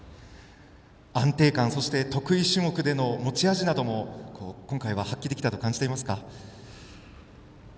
安定感、そして得意種目での持ち味なども今回は発揮できたと感じていますか。